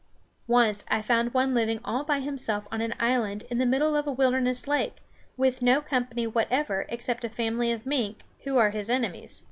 Once I found one living all by himself on an island in the middle of a wilderness lake, with no company whatever except a family of mink, who are his enemies.